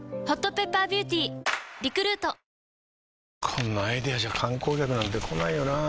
こんなアイデアじゃ観光客なんて来ないよなあ